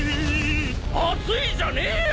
「熱い」じゃねえよ！